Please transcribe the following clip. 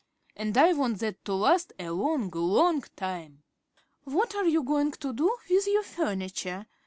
And I want that to last a long, long time." "What are you going to do with your furniture?"